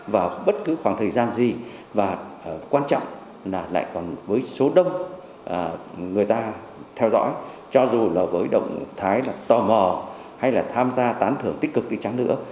vào bất cứ khoảng thời gian gì và quan trọng là lại còn với số đông người ta theo dõi cho dù là với động thái là tò mò hay là tham gia tán thưởng tích cực đi trắng nữa